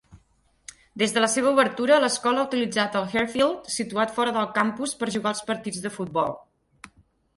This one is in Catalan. Des de la seva obertura, l'escola ha utilitzat el Hare Field situat fora del campus per jugar els partits de futbol.